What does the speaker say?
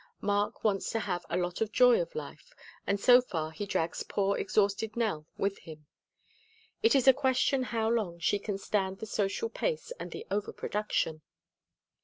Mark wants to have a lot of joy of life and so far he drags poor exhausted Nell with him. It is a question how long she can stand the social pace and the over production.